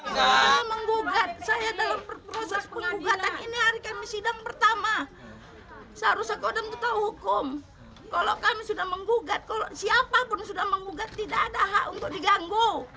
kalau kami sudah menggugat siapapun sudah menggugat tidak ada hak untuk diganggu